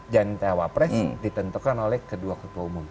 dan cewapres ditentukan oleh kedua ketua umumnya